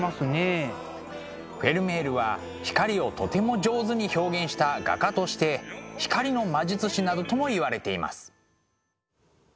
フェルメールは光をとても上手に表現した画家として光の魔術師などともいわれています。